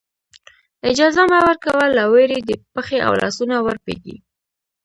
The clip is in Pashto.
اجازه مه ورکوه له وېرې دې پښې او لاسونه ورپېږي.